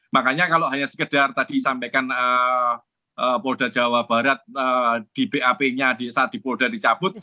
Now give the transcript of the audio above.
makanya kalau hanya sekedar tadi sampaikan polda jawa barat di bap nya saat di polda dicabut